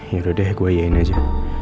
yaudah deh gua iya in aja